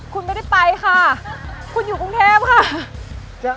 คุณไม่ได้ไปค่ะคุณอยู่กรุงเทพค่ะ